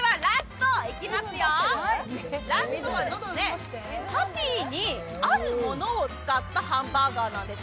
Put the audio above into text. ラストは、パティにあるものを使ったハンバーガーなんです。